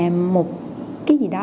một cái gì đó